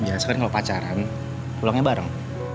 biasa kan kalau pacaran pulangnya bareng